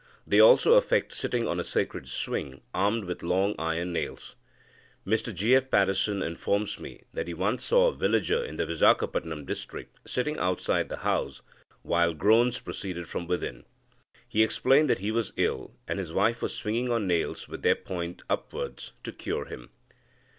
They also affect sitting on a sacred swing, armed with long iron nails. Mr G. F. Paddison informs me that he once saw a villager in the Vizagapatam district sitting outside the house, while groans proceeded from within. He explained that he was ill, and his wife was swinging on nails with their points upwards, to cure him.